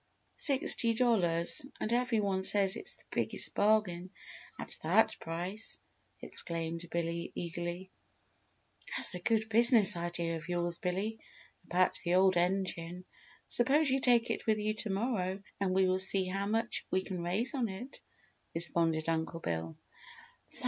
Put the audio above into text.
"Sixty dollars and every one says it's the biggest bargain at that price!" exclaimed Billy, eagerly. "That's a good business idea of yours, Billy about the old engine. Suppose you take it with you to morrow and we will see how much we can raise on it," responded Uncle Bill.